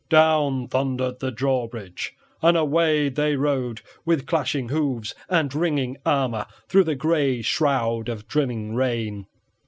Down thundered the drawbridge, and away they rode with clashing hoofs and ringing armor through the gray shroud of drilling rain.